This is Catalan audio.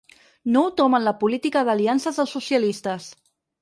Nou tomb en la política d’aliances dels socialistes.